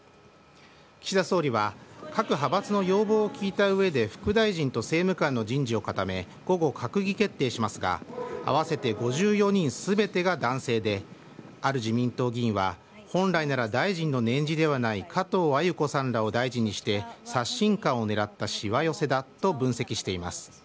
岸田総理は各派閥の要望を聞いた上で副大臣と政務官の人事を固め午後、閣議決定しますが合わせて５４人全てが男性である自民党議員は本来なら大臣の年次ではない加藤鮎子さんらを大臣にして刷新感を狙ったしわ寄せだと分析しています。